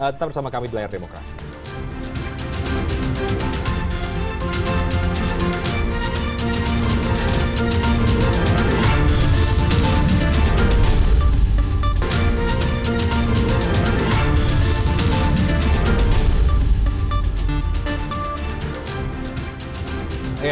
tetap bersama kami di layar demokrasi